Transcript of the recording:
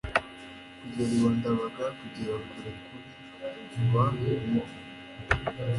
kugera iwa ndabaga kugera kure kubi, kuba bibi